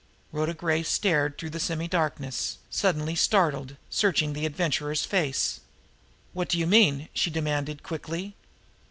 Rhoda Gray stared through the semi darkness, suddenly startled, searching the Adventurer's face. "What do you mean?" she demanded quickly.